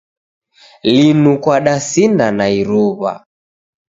Linu kwadasinda na iruw'a.